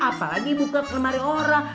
apalagi buka kamarnya orang